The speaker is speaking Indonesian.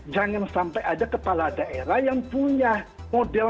jangan sampai ada kepala daerah yang punya model